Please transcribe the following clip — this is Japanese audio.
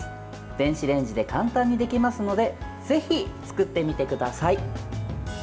電子レンジで簡単にできますのでぜひ作ってみてください。